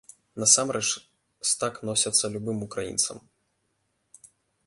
Насамрэч, з так носяцца любым украінцам!